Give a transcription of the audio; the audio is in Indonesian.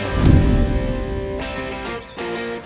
lo duduk sini